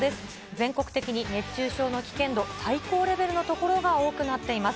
全国的に熱中症の危険度、最高レベルの所が多くなっています。